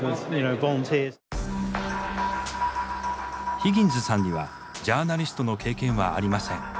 ヒギンズさんにはジャーナリストの経験はありません。